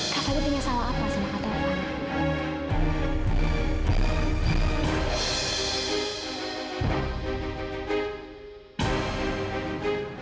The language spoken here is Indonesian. kak fadil punya salah apa sama kak tovan